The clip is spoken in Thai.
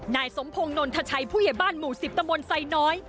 นายสมพงศ์นนทชัยผู้ใหญ่บ้านหมู่๑๐ตำบลไซน้อย